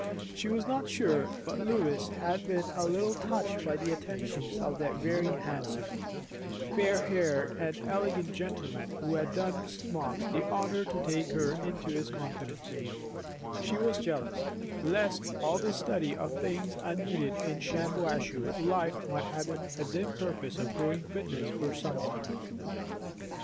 She was not sure but Lois had been a little touched by the attentions of that very handsome, fair haired and elegant gentleman who had done Mrs. Marx the honour to take her into his confidence; she was jealous lest all this study of things unneeded in Shampuashuh life might have a dim purpose of growing fitness for some other.